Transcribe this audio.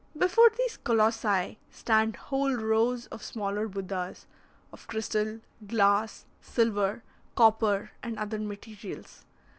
Before these colossi stand whole rows of smaller Buddhas, of crystal, glass, silver, copper, and other materials.